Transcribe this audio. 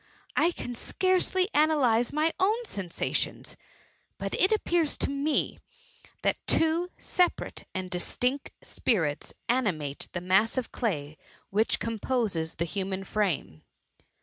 I can scarcely analyse my own sensations; but it appears jto me that two separate and dis< tijict spirits animate the mass of clay which THE MUMMY. 87 composes the human frame.